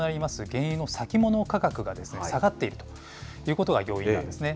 原油の先物価格が下がっているということが要因なんですね。